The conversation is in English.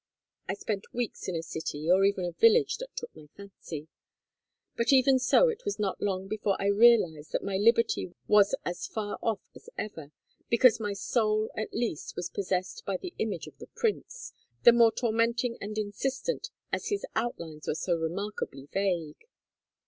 I spent weeks in a city or even village that took my fancy. But even so it was not long before I realized that my liberty was as far off as ever, because my soul at least was possessed by the image of the prince, the more tormenting and insistent as his outlines were so remarkably vague.